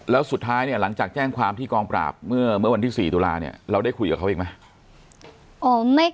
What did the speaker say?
แล้วสุดท้ายเนี่ยหลังจากแจ้งความที่กองปราบเมื่อวันที่๔ตุลาเนี่ยเราได้คุยกับเขาอีกไหม